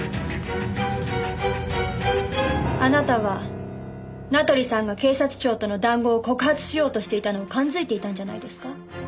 あなたは名取さんが警察庁との談合を告発しようとしていたのを勘づいていたんじゃないですか？